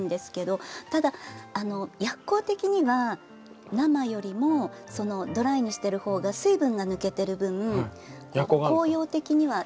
ただ薬効的には生よりもドライにしている方が水分が抜けてる分効用的には高くなるっていう。